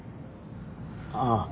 ああ。